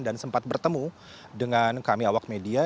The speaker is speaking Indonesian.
dan sempat bertemu dengan kami awak media